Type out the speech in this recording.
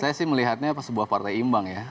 saya sih melihatnya sebuah partai imbang ya